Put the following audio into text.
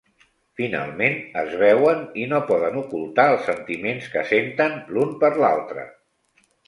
Finalment es veuen i no poden ocultar els sentiments que senten l'un per l'altra.